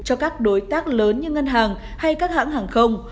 cho các đối tác lớn như ngân hàng hay các hãng hàng không